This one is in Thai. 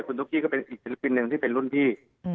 คุณตุ๊กกี้ก็เป็นอีกศิลปินหนึ่งที่เป็นรุ่นพี่